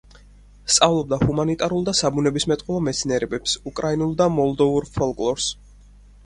სწავლობდა ჰუმანიტარულ და საბუნებისმეტყველო მეცნიერებებს, უკრაინულ და მოლდოვურ ფოლკლორს.